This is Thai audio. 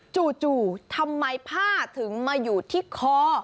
จู่ทำไมผ้าถึงมาอยู่ที่คอ